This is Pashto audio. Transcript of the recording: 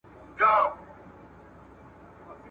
که مهارتونه زده کړو نو کار به تر پخوا اسانه سي.